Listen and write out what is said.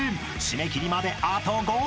締め切りまであと５分］